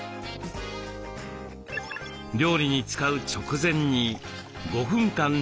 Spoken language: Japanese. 料理に使う直前に５分間煮るのです。